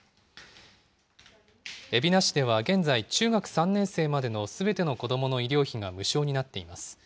海老名市では現在、中学３年生までのすべての子どもの医療費が無償になっています。